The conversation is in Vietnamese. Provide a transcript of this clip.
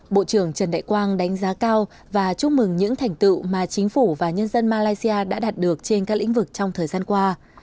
bộ trưởng trần đại quang đánh giá cao và chúc mừng những thành tựu mà chính phủ và nhân dân malaysia đã đạt được trên các lĩnh vực trong thời gian qua